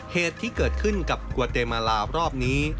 เหตุที่เกิดขึ้นกับกวเตมาลารอบนี้